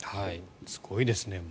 すごいですね。